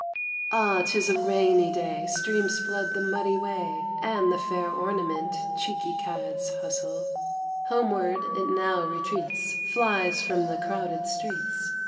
Ah, 'tis a rainy day ! Streams flood the muddy way. And the fair ornament Cheeky cads hustle ; Homeward it. now retreats. Flies from the crowded streets.